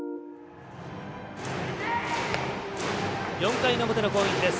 ４回の表の攻撃です。